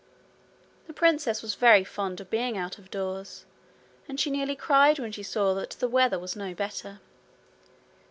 The princess was very fond of being out of doors, and she nearly cried when she saw that the weather was no better.